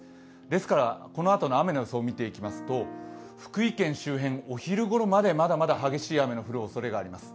ですから、このあとの雨の予想を見ていきますと、福井県周辺、お昼ごろまでまだまだ激しい雨が降るおそれがあります。